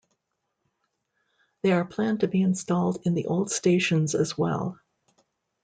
They are planned to be installed in the old stations as well.